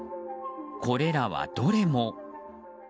これらは、どれも。